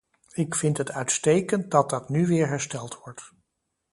Ik vind het uitstekend dat dat nu weer hersteld wordt.